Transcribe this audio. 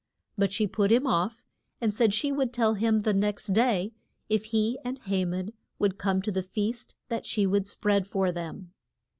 But she put him off and said she would tell him the next day, if he and Ha man would come to the feast that she would spread for them.